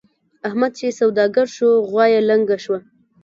احمد چې سوداګر شو؛ غوا يې لنګه شوه.